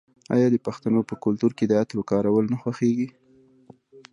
آیا د پښتنو په کلتور کې د عطرو کارول نه خوښیږي؟